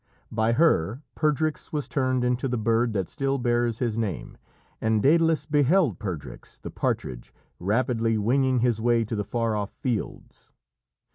By her Perdrix was turned into the bird that still bears his name, and Dædalus beheld Perdrix, the partridge, rapidly winging his way to the far off fields.